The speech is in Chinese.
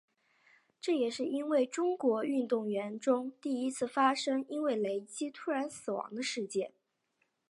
这也是中国运动员中第一次发生因为雷击突然死亡的事件。